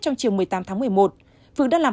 trong chiều một mươi tám tháng một mươi một phư đã làm